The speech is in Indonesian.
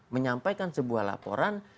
menyampaikan sebuah laporan